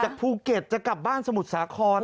ภูเก็ตจะกลับบ้านสมุทรสาคร